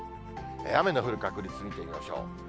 雨の降る確率見てみましょう。